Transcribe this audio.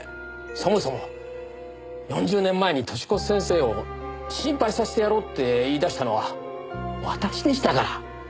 そもそも４０年前に寿子先生を心配させてやろうって言い出したのは私でしたから。